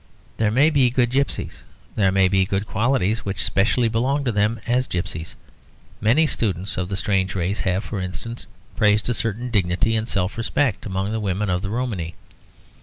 There may be good gipsies; there may be good qualities which specially belong to them as gipsies; many students of the strange race have, for instance, praised a certain dignity and self respect among the women of the Romany.